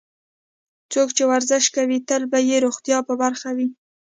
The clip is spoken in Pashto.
څوک چې ورزش کوي، تل به یې روغتیا په برخه وي.